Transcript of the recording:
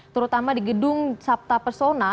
terutama di gedung sabta pesona